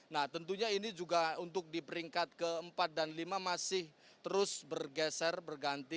nah tentunya ini juga untuk di peringkat keempat dan lima masih terus bergeser berganti